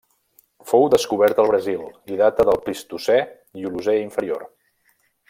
Fou descobert al Brasil i data del Plistocè i l'Holocè inferior.